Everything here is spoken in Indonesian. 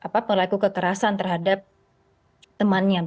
perilaku kekerasan terhadap temannya